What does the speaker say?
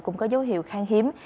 cũng có dấu hiệu khang hiếm